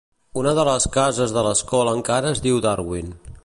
Una de les cases de l'escola encara es diu Darwin.